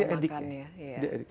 apalagi dia edik